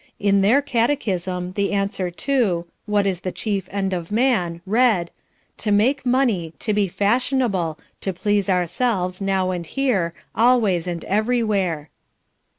In their catechism, the answer to "What is the chief end of man?" read: To make money, to be fashionable, to please ourselves, now and here, always and everywhere.